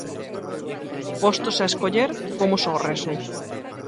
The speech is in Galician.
Postos a escoller, fomos ao Resu.